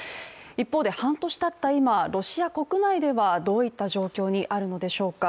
一方で半年たった今、ロシア国内ではどういった状況にあるのでしょうか。